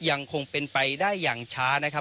ยังคงเป็นไปได้อย่างช้านะครับ